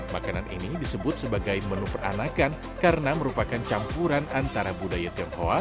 makanan ini disebut sebagai menu peranakan karena merupakan campuran antara budaya tionghoa